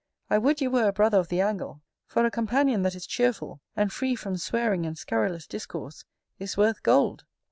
I would you were a brother of the angle; for a companion that is cheerful, and free from swearing and scurrilous discourse, is worth gold.